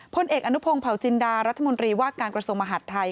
พลเอกอนุพงศ์เผาจินดารัฐมนตรีว่าการกระทรวงมหาดไทย